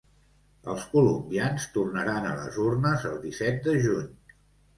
Els colombians tornaran a les urnes el disset de juny.